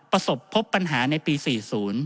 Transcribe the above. ประสบพบปัญหาในปี๔๐